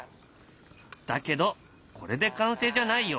だけどこれで完成じゃないよ。